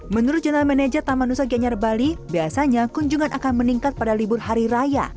menurut jurnal manager taman nusa gianyar bali biasanya kunjungan akan meningkat pada libur hari raya